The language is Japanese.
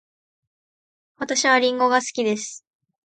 私はりんごが好きです。